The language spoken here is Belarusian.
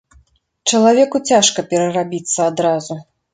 Чалавеку цяжка перарабіцца адразу.